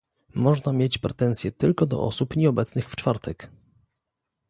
Można mieć pretensje tylko do osób nieobecnych w czwartek